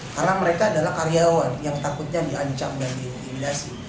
karena mereka adalah karyawan yang takutnya diancam dan diintimidasi